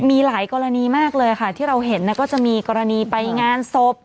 มีหลายกรณีมากเลยค่ะที่เราเห็นก็จะมีกรณีไปงานศพ